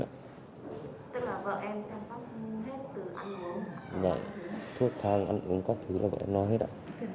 tức là vợ em chăm sóc hết từ ăn uống thuốc thang ăn uống các thứ là vợ em nói hết ạ